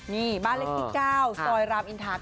นี่บ้านเลขที่๙ซอยรามอินทา